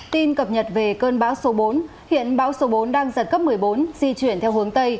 tin cập nhật về cơn bão số bốn hiện bão số bốn đang giật cấp một mươi bốn di chuyển theo hướng tây